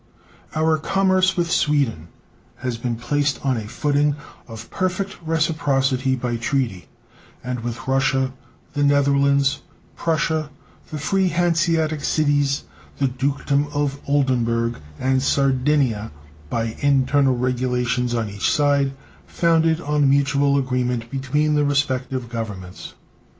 Our commerce with Sweden has been placed on a footing of perfect reciprocity by treaty, and with Russia, the Netherlands, Prussia, the free Hanseatic cities, the Dukedom of Oldenburg, and Sardinia by internal regulations on each side, founded on mutual agreement between the respective Governments.